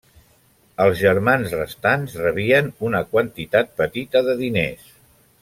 Els germans restants rebien una quantitat petita de diners.